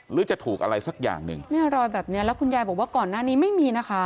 หรือจะถูกอะไรสักอย่างหนึ่งเนี่ยรอยแบบเนี้ยแล้วคุณยายบอกว่าก่อนหน้านี้ไม่มีนะคะ